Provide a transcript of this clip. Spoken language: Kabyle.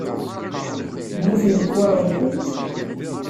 Mmuten lekwaɣeḍ-nkent?